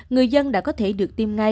người dân đã có thể được tiêm ngay